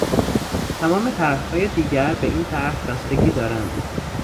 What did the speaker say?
تمام طرحهای دیگر به این طرح بستگی دارند.